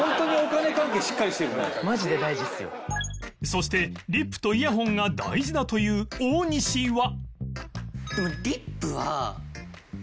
そしてリップとイヤホンが大事だという大西は